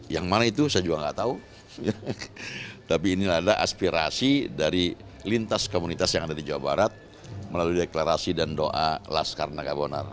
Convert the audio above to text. yang mana itu saya juga nggak tahu tapi inilah aspirasi dari lintas komunitas yang ada di jawa barat melalui deklarasi dan doa laskar nagabonar